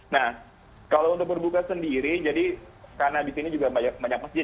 nah kalau untuk berbuka sendiri jadi karena di sini juga banyak masjid